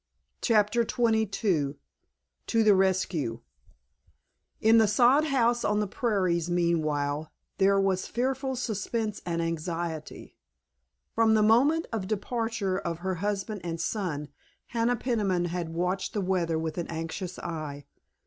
*CHAPTER XXII* *TO THE RESCUE* In the sod house on the prairies meanwhile there was fearful suspense and anxiety. From the moment of the departure of her husband and son Hannah Peniman had watched the weather with an anxious eye.